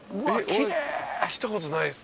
来たことないです。